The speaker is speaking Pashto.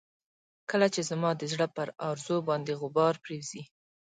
کله چې زما د زړه پر ارزو باندې غبار پرېوځي.